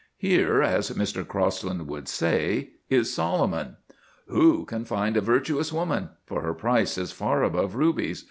Here, as Mr. Crosland would say, is Solomon: Who can find a virtuous woman? for her price is far above rubies.